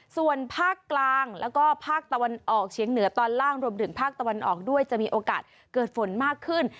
ส่วนภาคกลางแล้วก็ภาคตะวันออกเฉียงเหนือตอนล่างรวมถึงภาคตะวันออกด้วยจะมีโอกาสเกิดฝนมากขึ้น